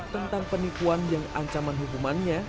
tentang penipuan yang ancaman hukumannya